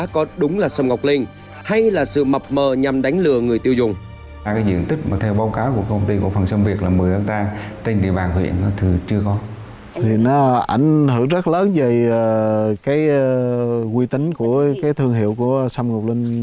có đúng là sâm ngọc linh hay là sự mập mờ nhằm đánh lừa người tiêu dùng